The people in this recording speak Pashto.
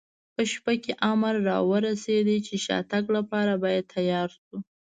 په شپه کې امر را ورسېد، چې د شاتګ لپاره باید تیار شو.